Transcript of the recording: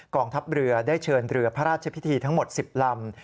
องทัพเรือได้เชิญเรือพระราชพิธีทั้งหมด๑๐ลำ